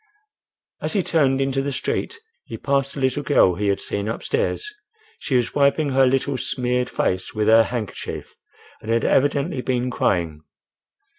As he turned into the street, he passed the little girl he had seen up stairs. She was wiping her little, smeared face with her handkerchief, and had evidently been crying.